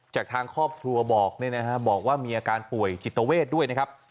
จากทางครอบครัวบอกบอกว่ามีอาการป่วยจิตเวทด้วยนะครับ